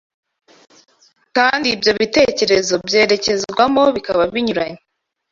kandi ibyo ibitekerezo byerekezwamo bikaba binyuranye